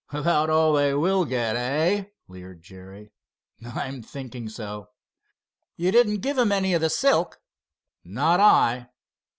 "About all they will get, eh?" leered Jerry. "I'm thinking so." "You didn't give them any of the silk?" "Not I."